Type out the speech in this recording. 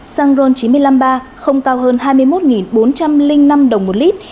xăng ron chín mươi năm ba không cao hơn hai mươi một bốn trăm linh năm đồng một lit